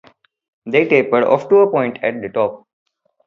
They tapered of to a point at the top.